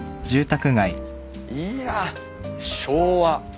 いや昭和。